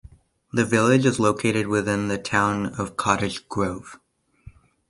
The village is located within the Town of Cottage Grove.